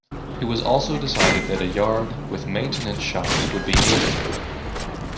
It was also decided that a yard with maintenance shops would be needed.